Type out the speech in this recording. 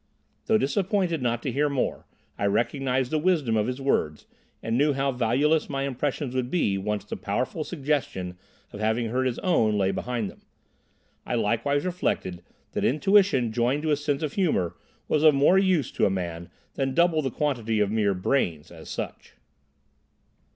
Though disappointed not to hear more, I recognised the wisdom of his words and knew how valueless my impressions would be once the powerful suggestion of having heard his own lay behind them. I likewise reflected that intuition joined to a sense of humour was of more use to a man than double the quantity of mere "brains," as such.